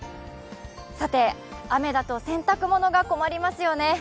さて、雨だと洗濯物が困りますよね。